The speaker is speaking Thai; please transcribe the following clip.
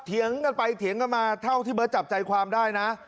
เถียงกันไปเถียงกันมาเท่าที่เบิร์ตจับใจความได้นะ